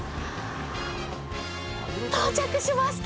到着しました！